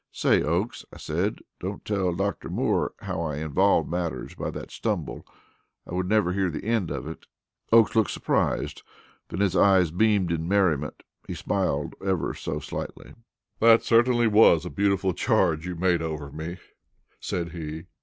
"Say, Oakes," I said, "don't tell Dr. Moore how I involved matters by that stumble. I would never hear the end of it." Oakes looked surprised, then his eyes beamed in merriment. He smiled ever so slightly. "That certainly was a beautiful charge you made over me," said he.